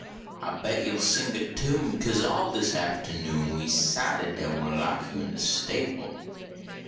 I bet you ll sing er tune, Kase all dis aftahnoon We s cided dat we ll lock yo in de stable.